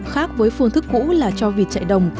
khác với phương thức cũ là cho vịt chạy đồng